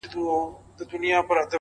• ستا د هستې شهباز به ونڅوم,